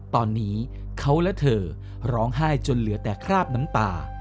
ตอนนี้เขาและเธอร้องไห้จนเหลือแต่คราบน้ำตา